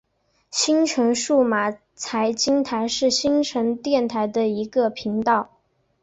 新城数码财经台是新城电台的一个频道。